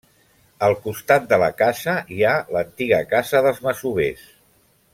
Al costat de la casa, hi ha l'antiga casa dels masovers.